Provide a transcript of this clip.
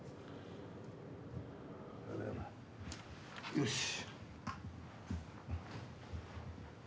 よし！